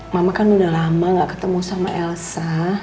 mama kan udah lama gak ketemu sama elsa